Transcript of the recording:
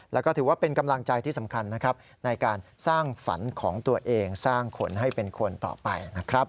และเป็นกำลังใจที่สำคัญในการสร้างฝันของตัวเองสร้างคนให้เป็นคนต่อไป